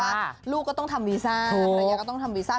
ลูกก็ต้องทำวีซ่าภรรยาก็ต้องทำวีซ่า